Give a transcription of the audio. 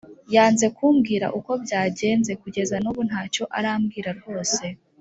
Yanze kubwira uko byagenze kugeza nubu ntacyo arabwira rwose